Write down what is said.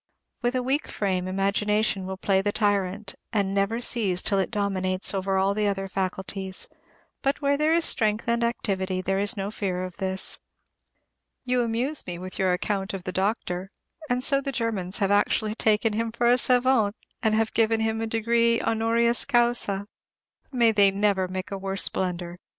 With a weak frame, imagination will play the tyrant, and never cease till it dominates over all the other faculties; but where there is strength and activity, there is no fear of this. You amuse me with your account of the doctor; and so the Germans have actually taken him for a savant, and given him a degree "honoris causa." May they never make a worse blunder.